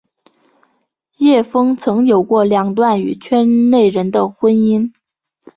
叶枫曾有过两段与圈内人的婚姻。